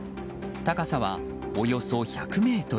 高さはおよそ１００ｍ。